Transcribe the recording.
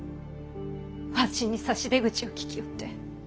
わしに差し出口をききおって。